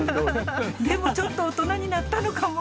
でもちょっと大人になったのかも。